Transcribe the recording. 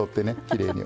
きれいに。